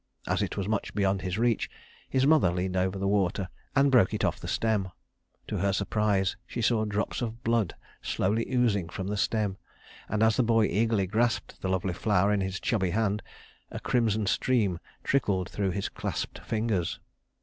As it was much beyond his reach, his mother leaned over the water and broke it off the stem. To her surprise, she saw drops of blood slowly oozing from the stem; and as the boy eagerly grasped the lovely flower in his chubby hand, a crimson stream trickled through his clasped fingers.